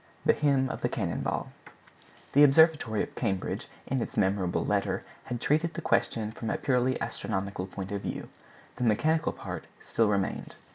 THE HYMN OF THE CANNON BALL The Observatory of Cambridge in its memorable letter had treated the question from a purely astronomical point of view. The mechanical part still remained.